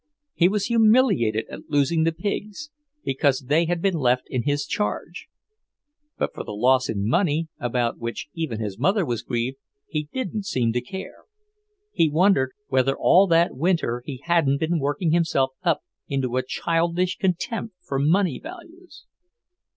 He was humiliated at losing the pigs, because they had been left in his charge; but for the loss in money, about which even his mother was grieved, he didn't seem to care. He wondered whether all that winter he hadn't been working himself up into a childish contempt for money values.